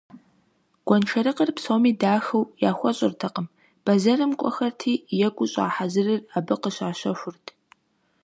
Гуэншэрыкъыр псоми дахэу яхуэщӀыртэкъыми, бэзэрым кӀуэхэрти, екӀуу щӀа хьэзырыр абы къыщащэхурт.